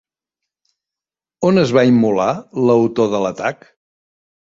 On es va immolar l'autor de l'atac?